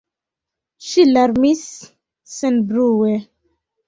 Ŝi larmis senbrue.